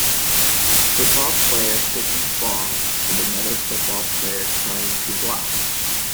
football player kicking ball and another football player trying to block